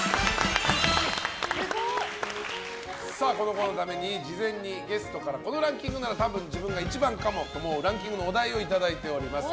このコーナーのために事前にゲストからこのランキングなら多分自分が１番かもと思うランキングのお題をいただいております。